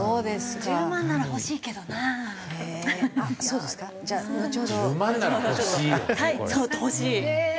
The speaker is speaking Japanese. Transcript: １０万なら欲しいよね